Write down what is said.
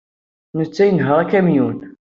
Netta inehheṛ akamyun.